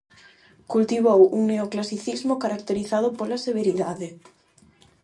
Cultivou un neoclasicismo caracterizado pola severidade.